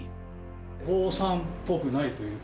お坊さんぽくないというか。